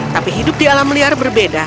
tapi hidup di alam liar berbeda